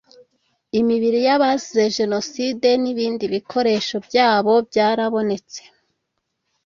Imibiri y ‘abazize Jenoside n ‘ibindi bikoresho byabo byarabonetse.